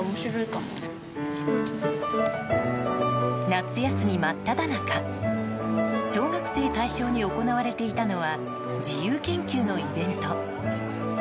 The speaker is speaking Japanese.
夏休み真っただ中小学生対象に行われていたのは自由研究のイベント。